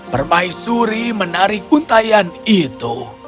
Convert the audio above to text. permaisuri menarik untayan itu